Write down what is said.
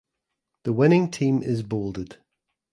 The winning team is bolded.